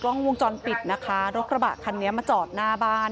กล้องวงจรปิดนะคะรถกระบะคันนี้มาจอดหน้าบ้าน